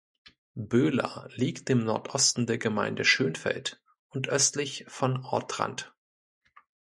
Böhla liegt im Nordosten der Gemeinde Schönfeld und östlich von Ortrand.